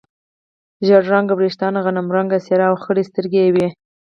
ژړ رنګه وریښتان، غنم رنګه څېره او خړې سترګې یې وې.